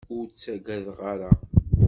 Ur tt-ttagadeɣ ara.